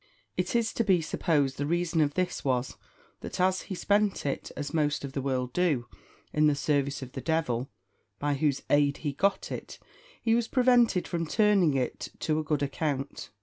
It is to be supposed the reason of this was, that as he spent it, as most of the world do, in the service of the devil, by whose aid he got it, he was prevented from turning it to a good account.